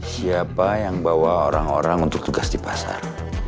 siapa yang bawa orang orang untuk tugas di pasar